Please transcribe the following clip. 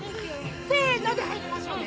「せの」で入りましょうね。